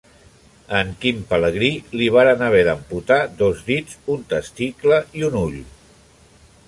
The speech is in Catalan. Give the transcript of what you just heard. A en Quim Pelegrí li varen haver d'amputar dos dits, un testicle i un ull.